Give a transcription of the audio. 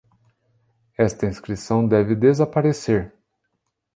Esta inscrição deve desaparecer!